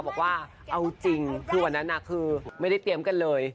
บอกว่าเอาจริงคือวันนั้นคือไม่ได้เตรียมกันเลย